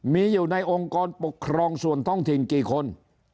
มีอยู่ในองค์กรปกครองส่วนท้องถิ่นกี่คน